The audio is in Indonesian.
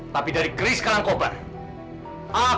tapi dari keris itu menurutku itu adalah musrik pak